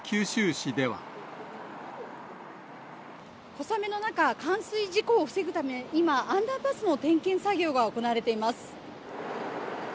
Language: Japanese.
小雨の中、冠水事故を防ぐため、今、アンダーパスの点検作業が行われています。